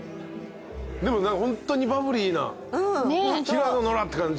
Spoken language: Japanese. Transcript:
でもホントにバブリーな平野ノラって感じの。